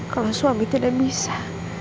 kalau suami tidak bisa